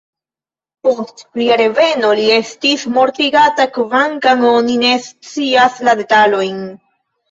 Post lia reveno li estis mortigata, kvankam oni ne scias la detalojn.